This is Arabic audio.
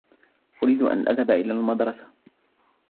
أريد أن أذهب إلى المدرسة.